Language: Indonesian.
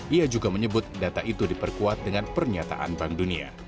ia juga menyebut data itu diperkuat dengan pernyataan bank dunia